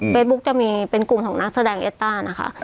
จะมีเป็นกลุ่มของนักแสดงเอสต้านะคะ